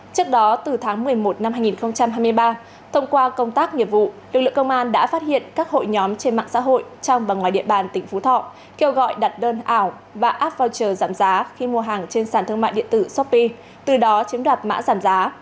trước đó từ tháng một mươi một năm hai nghìn hai mươi ba thông qua công tác nghiệp vụ lực lượng công an đã phát hiện các hội nhóm trên mạng xã hội trong và ngoài địa bàn tỉnh phú thọ kêu gọi đặt đơn ảo và app voucher giảm giá khi mua hàng trên sản thương mại điện tử shopee từ đó chiếm đoạt mã giảm giá